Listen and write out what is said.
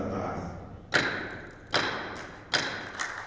aku siapkan adik adik di tangan tangan